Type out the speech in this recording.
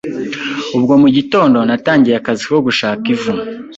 Ubwo mugitondo natangiye akazi ko gushaka ivu